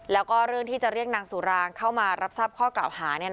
แล้วก็เรื่องที่จะเรียกนางสุรางเข้ามารับทราบข้อกล่าวหา